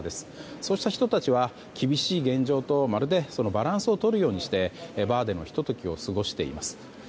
そうした人たちは厳しい現状とまるでバランスをとるようにしてバーでのひと時を過ごしています。